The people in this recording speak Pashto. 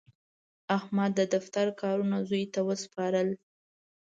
احمد د دفتر کارونه زوی ته وسپارل.